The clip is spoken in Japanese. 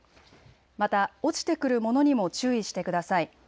また落ちてくるものにも注意してください。